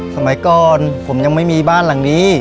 สมัยก่อนผมยังไม่มีบ้านหลังนี้